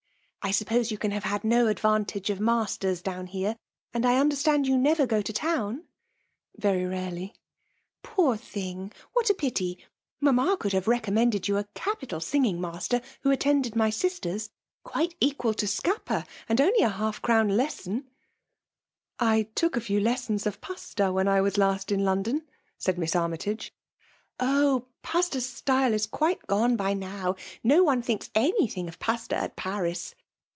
*' I suppose you can have had no advanlag^ of masters down here ; and I understand you never go to town V* '" Very rarely." <* Poor thing! — What a pity! — Mamma: could have recommended you a capital sing FXflALK :D0MIKA.T10IC, TBS ing master who attends my sisters ; ^aitd ^qual to Soappa; and only lialf a'crown 4 leteoii." ^'.I tookafew lesBOos.of Pasta, when I was bust inljoftdon,'^ said Miss Armytage* ^' Oh! Paflta*s style is quite gone by^ now. No bno thinks: any thing of Pasta at Paris.